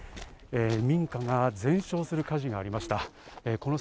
民家が全焼する火事がありました。